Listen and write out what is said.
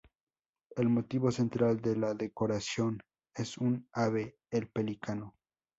El motivo central de la decoración es un ave: el pelícano.